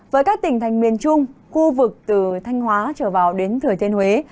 với các tỉnh thành miền trung khu vực từ thanh hóa trở vào đến thừa thiên huế